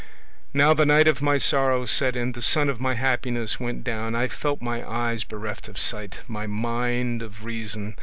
Now the night of my sorrow set in, the sun of my happiness went down, I felt my eyes bereft of sight, my mind of reason.